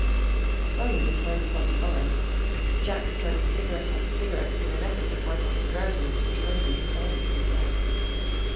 Slowly the time plodded by. Jack smoked cigarette after cigarette in an effort to fight off the drowsiness which loaded his eyelids with lead.